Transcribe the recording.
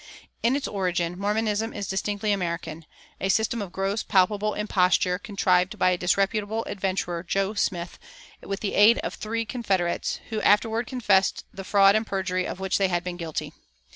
In its origin Mormonism is distinctly American a system of gross, palpable imposture contrived by a disreputable adventurer, Joe Smith, with the aid of three confederates, who afterward confessed the fraud and perjury of which they had been guilty.